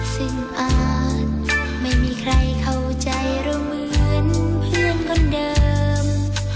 ซึ่งอ่านไม่มีใครเข้าใจเราเหมือนเพียงคนเดิม